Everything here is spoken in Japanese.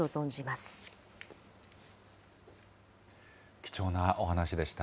貴重なお話でした。